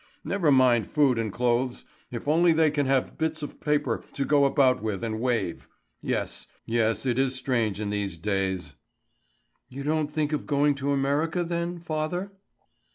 Never mind food and clothes, if only they can have bits of paper to go about with and wave. Yes, it is strange in these days." "You don't think of going to America then, father?"